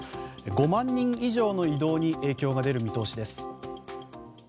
５万人以上の移動に影響が出る見通しです。